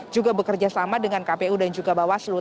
juga bekerja sama dengan kpu dan juga bawaslu